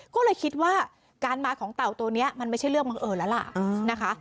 ก็เลยคิดว่าการมาของเต่าตัวนี้มันไม่ใช่เรื่องบังเอิญแล้วล่ะนะคะ